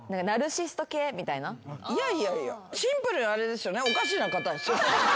いやいやいやシンプルにあれですよね？